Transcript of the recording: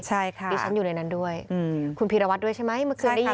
ใช่ค่ะดิฉันอยู่ในนั้นด้วยคุณพีรวัตรด้วยใช่ไหมเมื่อคืนได้ยิน